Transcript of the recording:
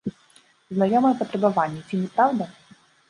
Знаёмыя патрабаванні, ці не праўда?